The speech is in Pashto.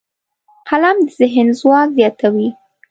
قلم د ذهن ځواک زیاتوي